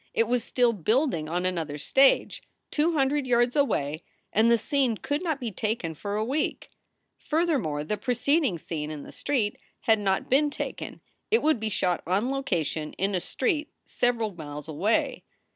It was still building on another stage, two hundred yards away, and the scene could not be taken for a week. Furthermore, the preceding scene in the street had not been taken. It would be shot on location in a street several miles away.